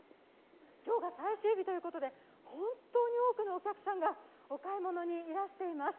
今日が最終日ということで、本当に多くのお客さんがお買い物にいらしています。